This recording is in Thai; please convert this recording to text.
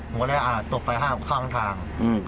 หัวแรกอ่าตกไฟห้าคล่างทาง